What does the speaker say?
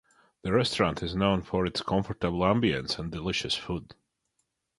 The restaurant is known for its comfortable ambiance and delicious food.